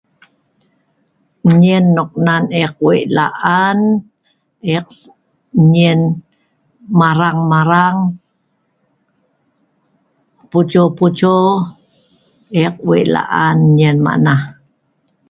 enyein nok nan e’ek weik la’an e’ek enyien marang-marang poco-poco e’ek weik laan enyien mak neh